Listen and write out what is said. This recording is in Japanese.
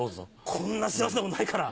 こんな幸せなことないから。